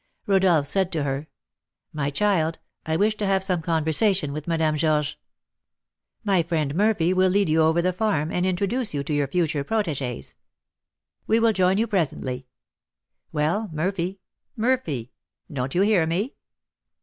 Rodolph said to her, "My child, I wish to have some conversation with Madame Georges. My friend Murphy will lead you over the farm, and introduce you to your future protégés. We will join you presently. Well, Murphy, Murphy, don't you hear me?"